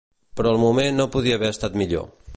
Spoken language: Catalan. Però el moment no podria haver estat millor.